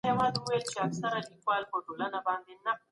مشران د بشري کرامت ساتلو لپاره څه پلي کوي؟